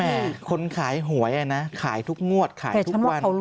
แต่คนขายหวยนะขายทุกงวดขายทุกวัน